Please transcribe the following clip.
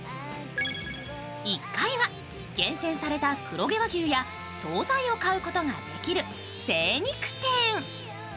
１階は厳選された黒毛和牛や総菜を買うことができる精肉店。